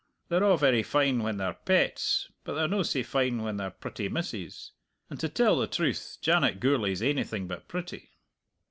They're a' very fine when they're pets, but they're no sae fine when they're pretty misses. And, to tell the truth, Janet Gourlay's ainything but pretty!"